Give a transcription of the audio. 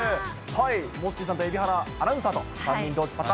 モッチーさんと蛯原アナウンサーのパター